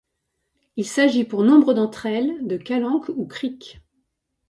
Il s'agit pour nombre d'entre elles de calanques ou criques.